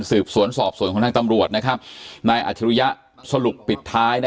สืบสวนสอบสวนของทางตำรวจนะครับนายอัจฉริยะสรุปปิดท้ายนะ